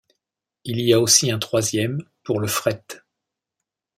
Il y a aussi un troisième, pour le fret.